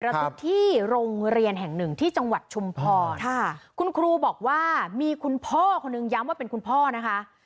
ทึกที่โรงเรียนแห่งหนึ่งที่จังหวัดชุมพรค่ะคุณครูบอกว่ามีคุณพ่อคนนึงย้ำว่าเป็นคุณพ่อนะคะ